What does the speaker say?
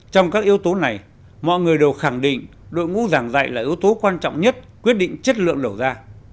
trong các yếu tố này mọi người đều khẳng định đội ngũ giảng dạy là yếu tố quan trọng nhất quyết định chất lượng đầu ra